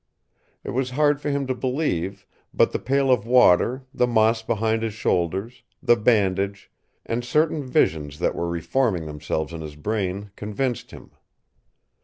It was hard for him to believe, but the pail of water, the moss behind his shoulders, the bandage, and certain visions that were reforming themselves in his brain convinced him.